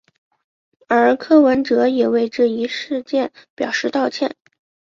而柯文哲也为这一事件表示道歉。